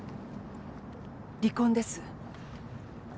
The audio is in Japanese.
離婚です。